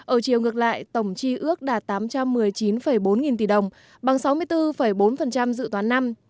ở chiều ngược lại tổng chi ước đạt tám trăm một mươi chín bốn nghìn tỷ đồng bằng sáu mươi bốn bốn dự toán năm